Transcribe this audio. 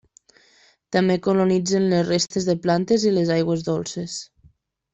També colonitzen les restes de plantes i les aigües dolces.